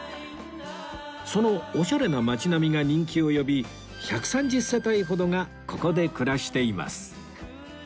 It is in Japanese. そのオシャレな街並みが人気を呼び１３０世帯ほどがここで暮らしています